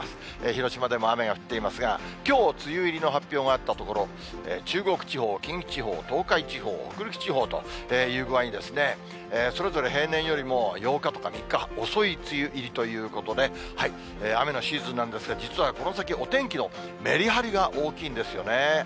広島でも雨が降っていますが、きょう、梅雨入りの発表があった所、中国地方、近畿地方、東海地方、北陸地方という具合に、それぞれ平年よりも８日とか３日、遅い梅雨入りということで、雨のシーズンなんですが、実はこの先、お天気のメリハリが大きいんですよね。